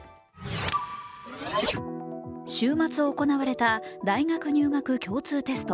週末行われた大学入学共通テスト。